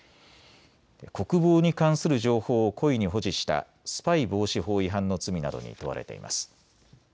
国防に関する情報を故意に保持したスパイ防止法違反の罪などに問われています。